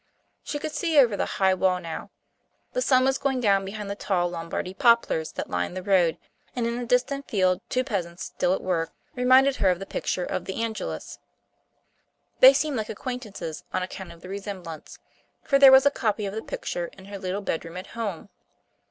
She could see over the high wall now. The sun was going down behind the tall Lombardy poplars that lined the road, and in a distant field two peasants still at work reminded her of the picture of "The Angelus." They seemed like acquaintances on account of the resemblance, for there was a copy of the picture in her little bedroom at home.